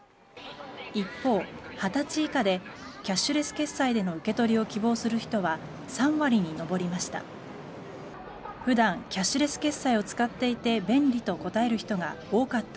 一方、２０歳以下でキャッシュレス決済での受け取りを希望する人は３割に上りました。